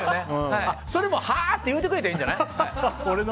はあ？って言うてくれたらいいんじゃない？